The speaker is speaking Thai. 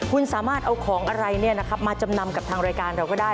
คุณสามารถเอาของอะไรมาจำนำกับทางรายการเราก็ได้